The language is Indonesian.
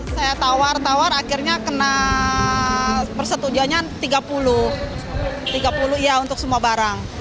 saya tawar tawar akhirnya kena persetujuannya tiga puluh tiga puluh ya untuk semua barang